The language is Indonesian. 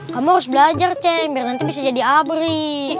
kamu harus belajar ceng biar nanti bisa jadi abri